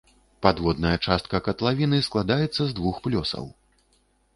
Падводная частка катлавіны складаецца з двух плёсаў.